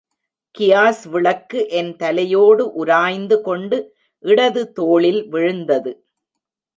Gas விளக்கு என் தலையோடு உராய்ந்து கொண்டு இடது தோளில் விழுந்தது.